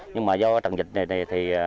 nhưng mà do trận dịch này thì